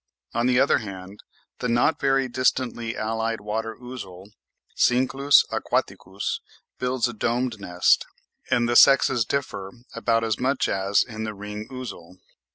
On the other hand, the not very distantly allied water ouzel (Cinclus aquaticus) builds a domed nest, and the sexes differ about as much as in the ring ouzel.